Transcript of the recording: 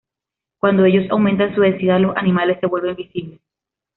Cuando ellos aumentan su densidad, los animales se vuelven visibles.